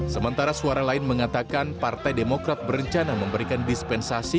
sementara suara lain mengatakan partai demokrat berencana memberikan dispensasi